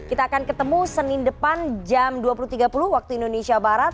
kita akan ketemu senin depan jam dua puluh tiga puluh waktu indonesia barat